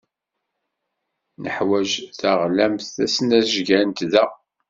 Neḥwaj taɣlamt tasnajyant da!